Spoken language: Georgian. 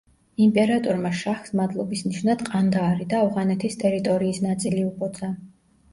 იმპერატორმა შაჰს მადლობის ნიშნად ყანდაარი და ავღანეთის ტერიტორიის ნაწილი უბოძა.